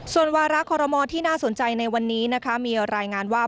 ส่วนวาระคอรมอลที่น่าสนใจในวันนี้นะคะมีรายงานว่า